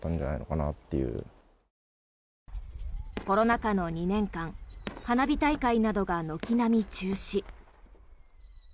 コロナ禍の２年間花火大会などが軒並み中止。